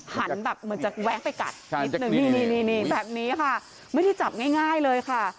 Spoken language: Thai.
หันแบบเหมือนจะแวะไปกัดนิดนึงนี่แบบนี้ค่ะไม่ได้จับง่ายเลยค่ะ